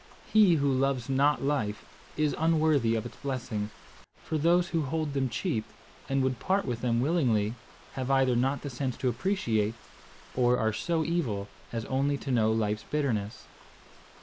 He who loves not life is unworthy of its blessings; for those who hold them cheap, and would part with them willingly, have either not the sense to appreciate, or are so evil as only to know life's bitterness.